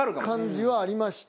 感じはありました。